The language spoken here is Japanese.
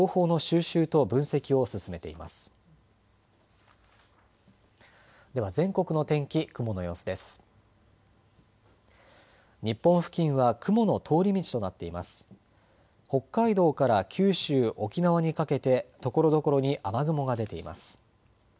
北海道から九州、沖縄にかけてところどころに雨雲が出ています。